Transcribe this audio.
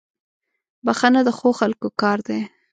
• بښنه د ښو خلکو کار دی.